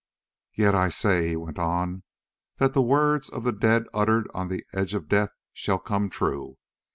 "Yet I say," he went on, "that the words of the dead uttered on the edge of death shall come true.